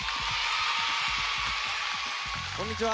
こんにちは。